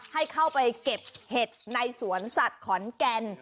ให้เข้าไปเก็บเห็ดในสวนสัตว์ขอนแก่น